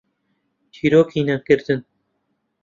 تیرۆکی نانکردن.